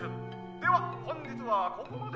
では本日はここまで。